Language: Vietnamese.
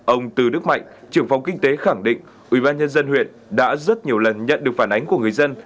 ông từ đức mạnh trưởng phòng kinh tế khẳng định ubnd huyện đã rất nhiều lần nhận được phản ánh của người dân